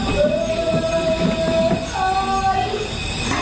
ลูกรออยู่ที่บ้าน